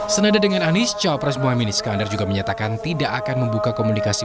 senada dengan anies cawapres mohaimin iskandar juga menyatakan tidak akan membuka komunikasi